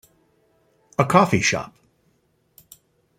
A coffee shop.